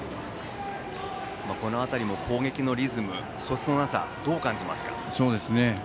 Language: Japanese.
この辺りも攻撃のリズムそつのなさどう感じますか？